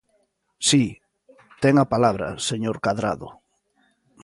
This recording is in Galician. Si, ten a palabra, señor Cadrado.